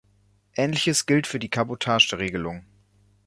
Ähnliches gilt für die Kabotage-Regelung.